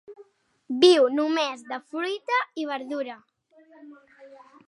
Viu només de fruita i verdura.